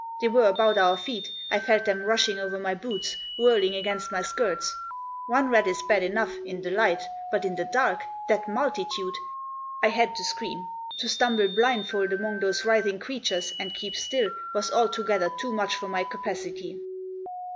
They were about our feet ; I felt them rushing over my boots, whirling against my skirts. One rat is bad enough, in the light, but in the dark — that multitude! I had to scream; to stumble blindfold among those writhing creatures, and keep still, was altogether too much for my capacity.